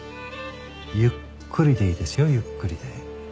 ゆっくりでいいですよゆっくりで。